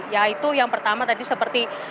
yaitu yang pertama tadi seperti